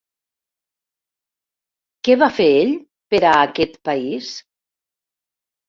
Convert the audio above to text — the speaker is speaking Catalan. Què va fer ell per a aquest país?